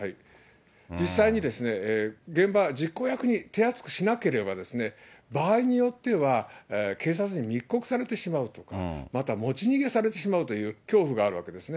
実際にですね、現場、実行役に手厚くしなければ、場合によっては、警察に密告されてしまうとか、また持ち逃げされてしまうという恐怖があるわけですね。